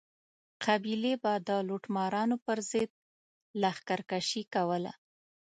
قبیلې به د لوټمارانو پر ضد لښکر کشي کوله.